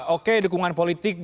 oke dukungan politik